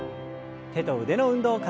手と腕の運動から。